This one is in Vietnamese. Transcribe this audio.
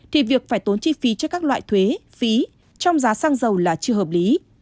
thì việc phải tốn chi phí cho các loại thuế phí trong giá xăng dầu là chưa hợp lý